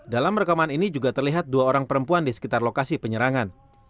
dalam rekaman ini juga terlihat dua orang perempuan di sekitar lokasi penyerangan